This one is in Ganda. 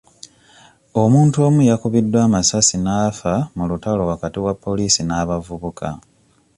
Omuntu omu yakubiddwa amasasi n'afa mu lutalo wakati wa poliisi n'abavubuka.